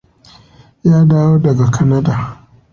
Ya dawo daga Kanada.